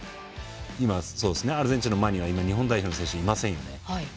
アルゼンチンの前には日本代表の選手、いませんよね。